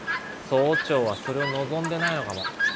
総長はそれを望んでないのかも。